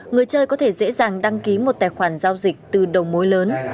người chơi có thể dễ dàng đăng ký một tài khoản giao dịch từ đầu mối lớn